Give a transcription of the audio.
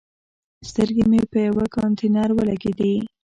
سترګې مې په یوه کانتینر ولګېدې.